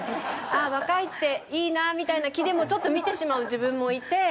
「ああ若いっていいな」みたいな気でもちょっと見てしまう自分もいて。